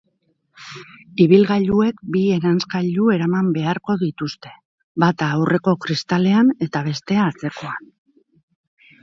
Ibilgailuek bi eranskailu eraman beharko dituzte, bata aurreko kristalean eta bestea atzekoan.